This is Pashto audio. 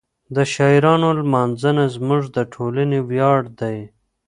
د شاعرانو لمانځنه زموږ د ټولنې ویاړ دی.